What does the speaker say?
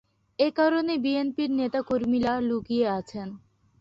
এ কারণে বিএনপির নেতা কর্মীরা লুকিয়ে আছেন।